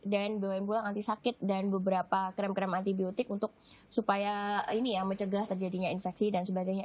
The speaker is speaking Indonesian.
dan dibawain pulang antisakit dan beberapa krem krem antibiotik untuk supaya ini ya mencegah terjadinya infeksi dan sebagainya